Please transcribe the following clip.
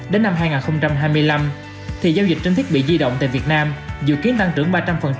đến năm hai nghìn hai mươi năm thì giao dịch trên thiết bị di động tại việt nam dự kiến tăng trưởng ba trăm linh